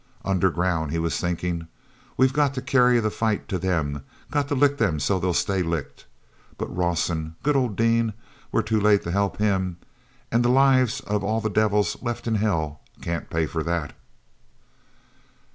"Underground," he was thinking. "We've got to carry the fight to them; got to lick 'em so they'll stay licked. But Rawson—good old Dean—we're too late to help him. And the lives of all the devils left in hell can't pay for that."